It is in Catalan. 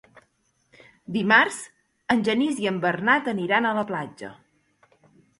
Dimarts en Genís i en Bernat aniran a la platja.